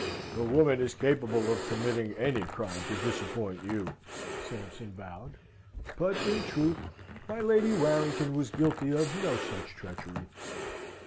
"The woman is capable of committing any crime to disappoint you," Sampson vowed; but, in truth, my Lady Warrington was guilty of no such treachery.